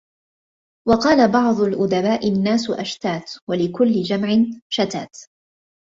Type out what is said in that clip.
وَقَالَ بَعْضُ الْأُدَبَاءِ النَّاسُ أَشْتَاتٌ وَلِكُلِّ جَمْعٍ شَتَاتٌ